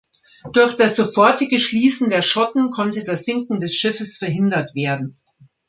Durch das sofortige Schließen der Schotten konnte das Sinken des Schiffes verhindert werden.